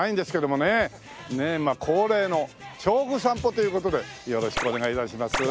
ねえまあ恒例の調布散歩という事でよろしくお願い致します。